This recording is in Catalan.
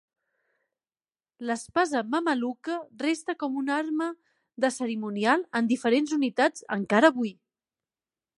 L'espasa mameluca resta com a una arma de cerimonial en diferents unitats encara avui.